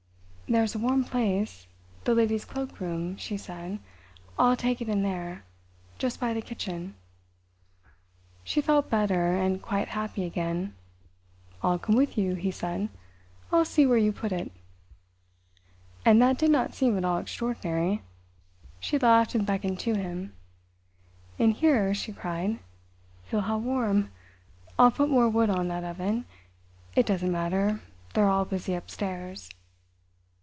"There's a warm place—the ladies' cloak room," she said. "I'll take it in there—just by the kitchen." She felt better, and quite happy again. "I'll come with you," he said. "I'll see where you put it." And that did not seem at all extraordinary. She laughed and beckoned to him. "In here," she cried. "Feel how warm. I'll put more wood on that oven. It doesn't matter, they're all busy upstairs."